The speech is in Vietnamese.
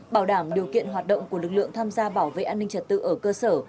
bảo đảm điều kiện hoạt động của lực lượng tham gia bảo vệ an ninh trật tự ở cơ sở